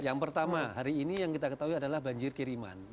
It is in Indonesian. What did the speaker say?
yang pertama hari ini yang kita ketahui adalah banjir kiriman